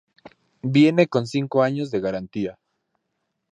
Viene con cinco años de garantía.